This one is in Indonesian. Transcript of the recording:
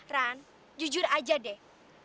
ran jujur aja deh